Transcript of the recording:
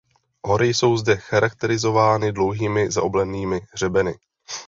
Hory jsou zde charakterizovány dlouhými zaoblenými hřebeny.